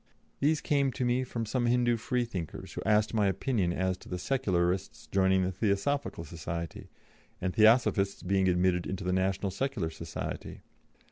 These came to me from some Hindû Freethinkers, who asked my opinion as to Secularists joining the Theosophical Society, and Theosophists being admitted to the National Secular Society.